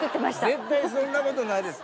絶対そんなことないです。